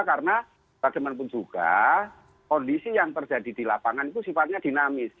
karena tersebut juga kondisi yang terjadi di lapangan itu sifatnya dinamis